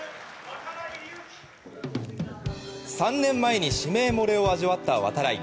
３年前に指名漏れを味わった度会。